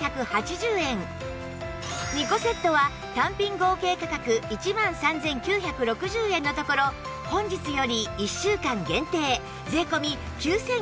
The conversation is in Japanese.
２個セットは単品合計価格１万３９６０円のところ本日より１週間限定税込９９８０円です